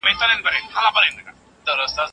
د ملک زوی ځانته هندوې ګډوینه